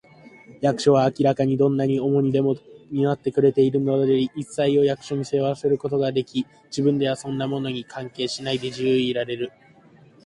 役所は明らかにどんな重荷でも担ってくれているのであり、いっさいを役所に背負わせることができ、自分ではそんなものに関係しないで、自由でいられる